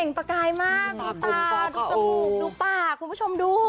ประกายมากดูตาดูจมูกดูปากคุณผู้ชมดู